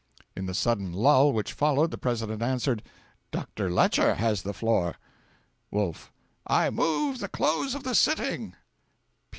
In the sudden lull which followed, the President answered, 'Dr. Lecher has the floor.' Wolf. 'I move the close of the sitting!'